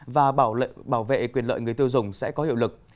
và bảo vệ quyền lợi người tiêu dùng sẽ có hiệu lực